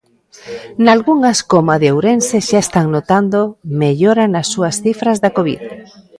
Nalgunhas, como a de Ourense, xa están notando mellora nas súas cifras da Covid.